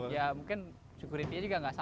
ya mungkin security nya juga nggak salah